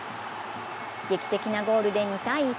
劇的なゴールで２−１。